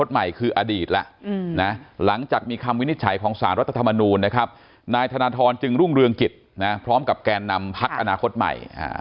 หลังจากมีคำวินิจฉัยของสารรัฐธรรมนูลนะครับนายธนทรจึงรุ่งเรืองกิจพร้อมกับแกนนำพักอนาคตใหม่